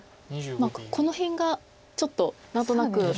この辺がちょっと何となく。